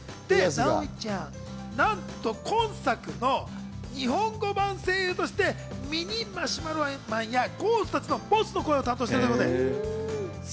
直美ちゃん、なんと今作の日本語版声優としてミニ・マシュマロマンやゴーストたちのボスの声を担当してるんです。